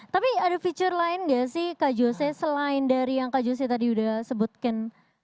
tapi ada fitur lain nggak sih kak jose selain dari yang kak jose tadi udah sebutkan